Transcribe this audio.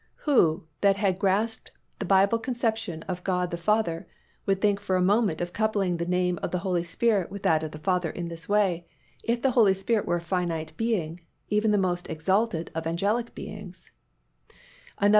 Who, that had grasped the Bible conception of God the Father, would think for a moment of coupling the name of the Holy Spirit with that of the Father in this way if the Holy Spirit were a finite being, even the most exalted of angelic beings?